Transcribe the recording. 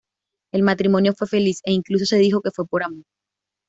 El matrimonio fue feliz e incluso se dijo que fue por amor.